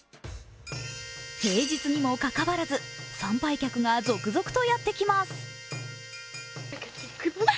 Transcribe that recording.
平日にもかかわらず参拝客が続々とやってきます。